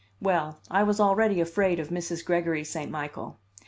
Well, I was already afraid of Mrs. Gregory St. Michael.